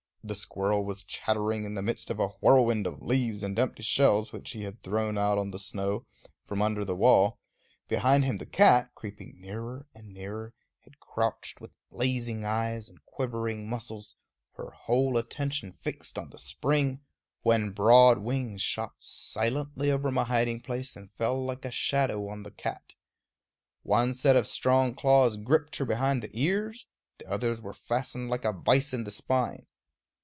The squirrel was chattering in the midst of a whirlwind of leaves and empty shells which he had thrown out on the snow from under the wall; behind him the cat, creeping nearer and nearer, had crouched with blazing eyes and quivering muscles, her whole attention fixed on the spring, when broad wings shot silently over my hiding place and fell like a shadow on the cat. One set of strong claws gripped her behind the ears; the others were fastened like a vise in the spine.